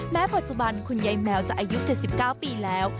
ปัจจุบันคุณยายแมวจะอายุ๗๙ปีแล้ว